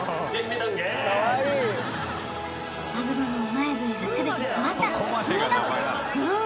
マグロのうまい部位が全て詰まった珍味丼グ！